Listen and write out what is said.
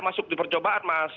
masuk di percobaan mas